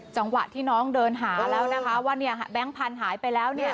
จังหวะที่น้องเดินหาแล้วนะคะว่าเนี่ยแบงค์พันธุ์หายไปแล้วเนี่ย